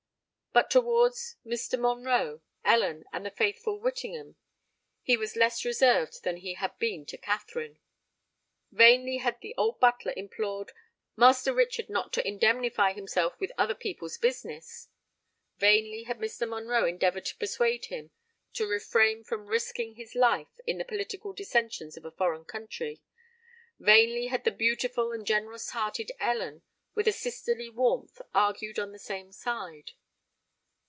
But towards Mr. Monroe, Ellen, and the faithful Whittingham he was less reserved than he had been to Katherine. Vainly had the old butler implored "Master Richard not to indemnify himself with other people's business;"—vainly had Mr. Monroe endeavoured to persuade him to refrain from risking his life in the political dissensions of a foreign country; vainly had the beautiful and generous hearted Ellen, with a sisterly warmth, argued on the same side.